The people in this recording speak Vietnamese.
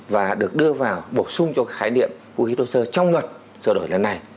và được đưa vào bổ sung cho khái niệm vũ khí thô sơ trong luật sửa đổi lần này